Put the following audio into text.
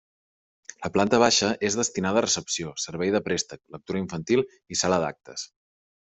La planta baixa és destinada a recepció, servei de préstec, lectura infantil i sala d’actes.